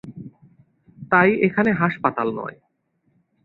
তাই এখানে হাসপাতাল নয়।